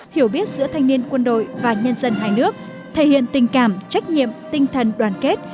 hiểu biết giữa thanh niên quân đội và nhân dân hai nước thể hiện tình cảm trách nhiệm tinh thần đoàn kết